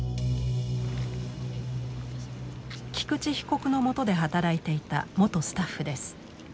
菊池被告のもとで働いていた元スタッフです。